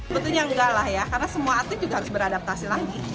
betulnya enggak lah ya karena semua atlet juga harus beradaptasi lagi